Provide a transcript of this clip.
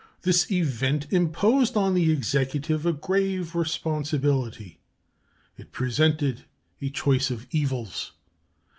This event imposed on the Executive a grave responsibility. It presented a choice of evils.